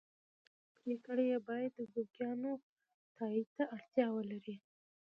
پرېکړې یې باید د دوکیانو تایید ته اړتیا ولري.